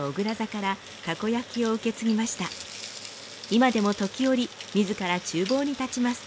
今でも時折自ら厨房に立ちます。